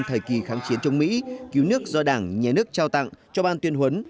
thời kỳ kháng chiến chống mỹ cứu nước do đảng nhà nước trao tặng cho ban tuyên huấn